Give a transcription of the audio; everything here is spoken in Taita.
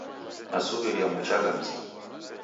Nasuw'iria muchagha mzinyi.